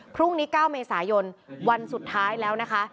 พรุ่งนี้๙เมษายนวันสุดท้ายแล้วนะคะ